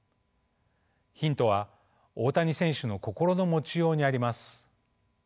ヒントは大谷選手の心の持ちようにあります。